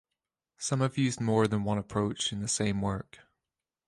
Some have used more than one approach in the same work.